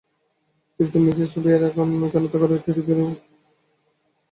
Captain ও Mrs Saviour ঐখানে থাকবেন এবং ঐটি ইউরোপীয় কর্মিগণের কেন্দ্র হবে।